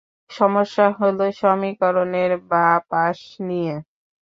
সমস্যা হলো সমীকরণের বাঁ পাশ নিয়ে।